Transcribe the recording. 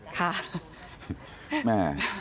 ค่ะ